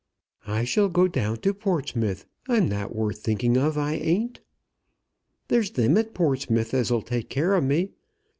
"I shall go down to Portsmouth. I'm not worth thinking of, I ain't. There's them at Portsmouth as'll take care of me.